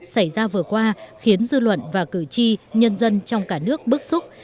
xảy ra vừa qua khiến dư luận và cử tri nhân dân trong cả nước bức xúc